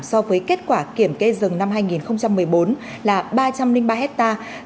so với kết quả kiểm kê rừng năm hai nghìn một mươi bốn là ba trăm linh ba hectare